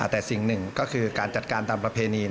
แต่สิ่งหนึ่งก็คือการจัดการตามประเพณี